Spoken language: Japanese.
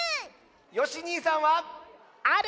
よしにいさんは⁉ある！